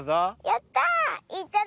やった！